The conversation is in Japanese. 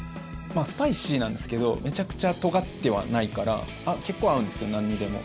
スパイシーなんですけどめちゃくちゃとがってはないから結構合うんですよ、なんにでも。